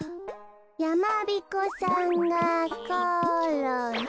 やまびこさんがころんだ！